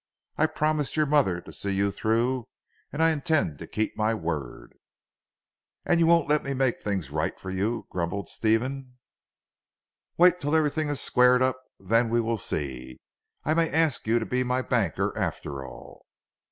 I promised your mother to see you through, and I intend to keep my word." "And you won't let me make things right for you," grumbled Stephen. "Wait till everything is squared up, then we will see. I may ask you to be my banker after all.